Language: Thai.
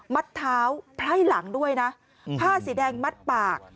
เท้าไพร่หลังด้วยนะผ้าสีแดงมัดปาก